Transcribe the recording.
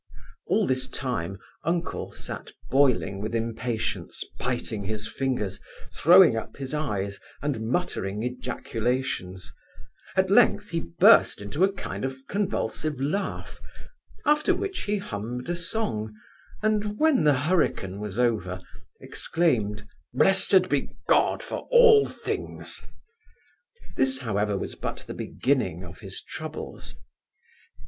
All this time, uncle sat boiling with impatience, biting his fingers, throwing up his eyes, and muttering ejaculations; at length he burst into a kind of convulsive laugh, after which he hummed a song; and when the hurricane was over, exclaimed 'Blessed be God for all things!' This, however, was but the beginning of his troubles.